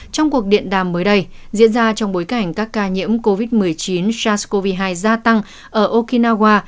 trong cuộc điện đàm mới đây diễn ra trong bối cảnh các ca nhiễm covid một mươi chín sars cov hai gia tăng ở okinawa